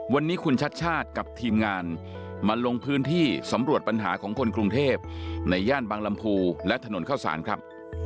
วันนี้คุณชัดชาติกับทีมงานมาลงพื้นที่สำรวจปัญหาของคนกรุงเทพในย่านบางลำพูและถนนเข้าสารครับ